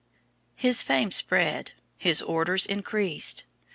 His fame spread, his orders increased.